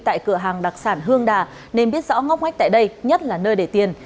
tại cửa hàng đặc sản hương đà nên biết rõ ngóc ngách tại đây nhất là nơi để tiền